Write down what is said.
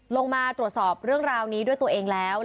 ลงมาตรวจสอบเรื่องราวนี้ด้วยตัวเองแล้ว